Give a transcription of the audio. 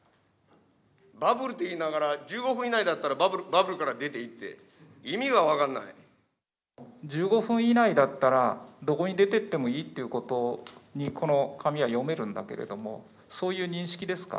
バブルといいながら、１５分以内だったら、バブルから出ていいっ１５分以内だったら、どこに出てってもいいっていうことに、この紙は読めるんだけれども、そういう認識ですか。